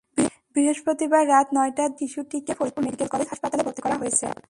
বৃহস্পতিবার রাত নয়টার দিকে শিশুটিকে ফরিদপুর মেডিকেল কলেজ হাসপাতালে ভর্তি করা হয়েছে।